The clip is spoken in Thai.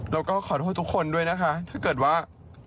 แล้วก็ขอโทษทุกคนด้วยนะคะถ้าเกิดว่า